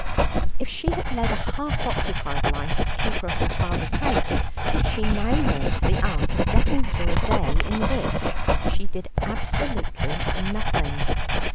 If she had led a half occupied life as keeper of her father's house, she now learnt the art of getting through a day in which she did absolutely nothing.